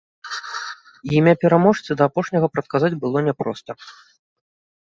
І імя пераможцы да апошняга прадказаць было няпроста.